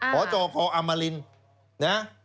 หจกอัมมาลินนะ